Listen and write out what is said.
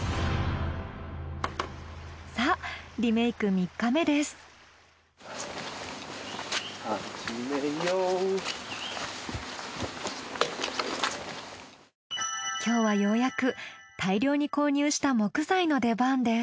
さあ今日はようやく大量に購入した木材の出番です。